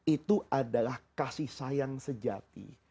itu adalah kasih sayang sejati